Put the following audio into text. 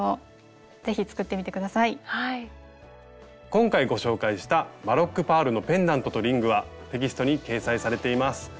今回ご紹介した「バロックパールのペンダントとリング」はテキストに掲載されています。